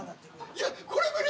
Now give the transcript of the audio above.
いやっこれ無理！